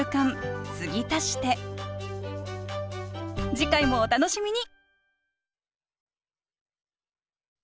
次回もお楽しみに！